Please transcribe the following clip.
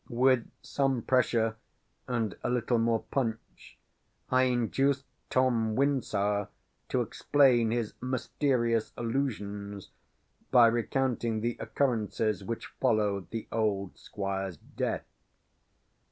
With some pressure and a little more punch, I induced Tom Wyndsour to explain his mysterious allusions by recounting the occurrences which followed the old Squire's death.